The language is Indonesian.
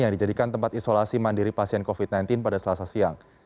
yang dijadikan tempat isolasi mandiri pasien covid sembilan belas pada selasa siang